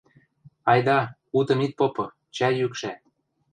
— Айда, утым ит попы, чӓй ӱкшӓ.